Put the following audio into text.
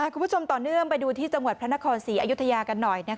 คุณผู้ชมต่อเนื่องไปดูที่จังหวัดพระนครศรีอยุธยากันหน่อย